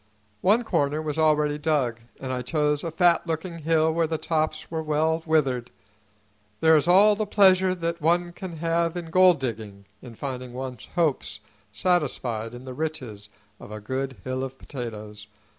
One corner was already dug, and I chose a fat looking hill where the tops were well withered. There is all the pleasure that one can have in gold digging in finding one's hopes satisfied in the riches of a good hill of potatoes.